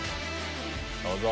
どうぞ。